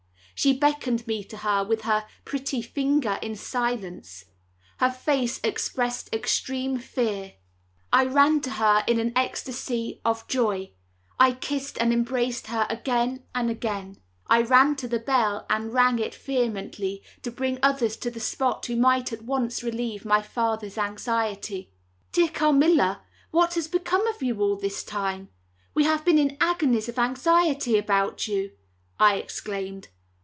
She beckoned me to her with her pretty finger, in silence. Her face expressed extreme fear. I ran to her in an ecstasy of joy; I kissed and embraced her again and again. I ran to the bell and rang it vehemently, to bring others to the spot who might at once relieve my father's anxiety. "Dear Carmilla, what has become of you all this time? We have been in agonies of anxiety about you," I exclaimed.